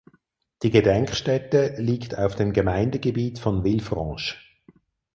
Die Gedenkstätte liegt auf dem Gemeindegebiet von Villefranche.